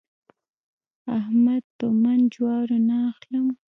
احمد په من جوارو نه اخلم.